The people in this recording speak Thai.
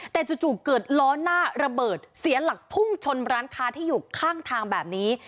แต่จู่เกิดล้อหน้าระเบิดเสียหลักพุ่งชนร้านค้าที่อยู่ข้างทางแบบนี้